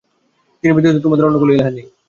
তিনি ব্যতীত তোমাদের অন্য কোন ইলাহ নেই।